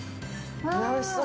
おいしそう！